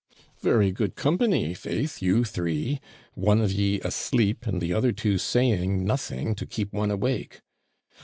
Very good company, faith, you three! One of ye asleep, and the other two saying nothing, to keep one awake.